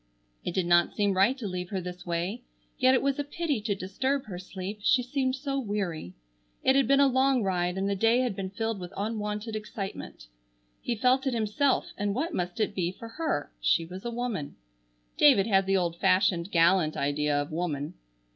It did not seem right to leave her this way, and yet it was a pity to disturb her sleep, she seemed so weary. It had been a long ride and the day had been filled with unwonted excitement. He felt it himself, and what must it be for her? She was a woman. David had the old fashioned gallant idea of woman.